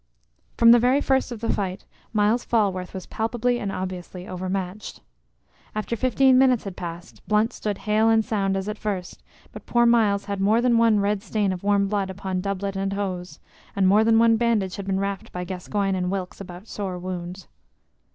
From the very first of the fight Myles Falworth was palpably and obviously overmatched. After fifteen minutes had passed, Blunt stood hale and sound as at first; but poor Myles had more than one red stain of warm blood upon doublet and hose, and more than one bandage had been wrapped by Gascoyne and Wilkes about sore wounds.